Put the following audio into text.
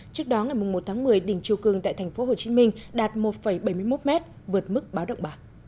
trước đó ngày một tháng một mươi đỉnh chiều cương tại tp hcm đạt một bảy mươi một m vượt mức báo động ba